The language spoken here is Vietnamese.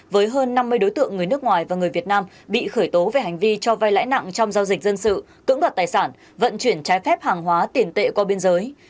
với hơn năm mươi đối tượng người nước ngoài và người việt nam bị khởi tố về hành vi cho vai lãi nặng trong giao dịch dân sự cưỡng đoạt tài sản vận chuyển trái phép hàng hóa tiền tệ qua biên giới